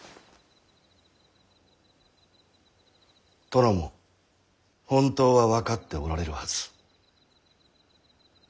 殿も本当は分かっておられるはず。